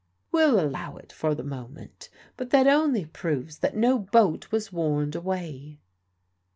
"We'll allow it for the moment. But that only proves that no boat was warned away."